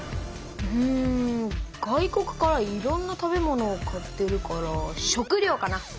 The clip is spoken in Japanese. うん外国からいろんな食べ物を買ってるから食料かな。